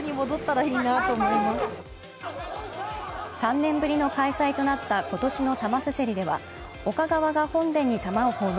３年ぶりの開催となった今年の玉せせりでは陸側が本殿に玉を奉納。